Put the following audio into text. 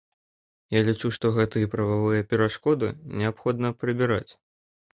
Я лічу, што гэтыя прававыя перашкоды неабходна прыбіраць.